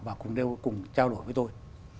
và cùng trao đổi với tôi